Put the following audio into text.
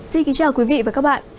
xin kính chào quý vị và các bạn